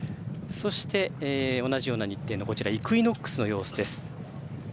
そして同じような日程のイクイノックスの様子です。